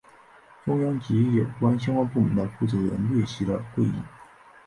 中央及地方有关部门的负责人列席了会议。